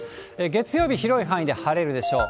月曜日、広い範囲で晴れるでしょう。